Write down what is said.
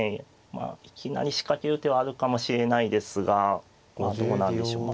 まあいきなり仕掛ける手はあるかもしれないですがまあどうなんでしょう。